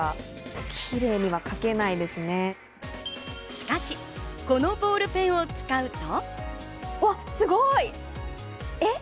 しかし、このボールペンを使うと。